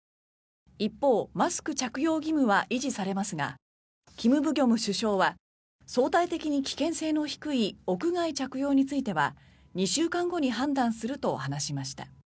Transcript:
一方、マスク着用義務は維持されますがキム・プギョム首相は相対的に危険性の低い屋外着用については２週間後に判断すると話しました。